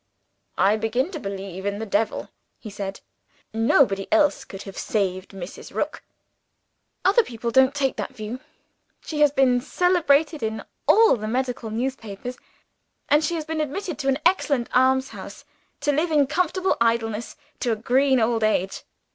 'I begin to believe in the devil,' he said; 'nobody else could have saved Mrs. Rook.' Other people don't take that view. She has been celebrated in all the medical newspapers and she has been admitted to come excellent almshouse, to live in comfortable idleness to a green old age.